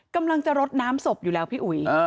กำลังจะรดน้ำศพอยู่แล้วพี่อุ๋ย